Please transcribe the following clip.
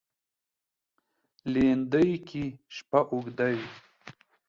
لېندۍ کې شپه اوږده وي.